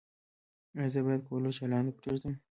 ایا زه باید کولر چالانه پریږدم؟